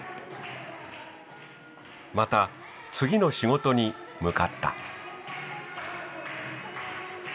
また次の仕事に向かった。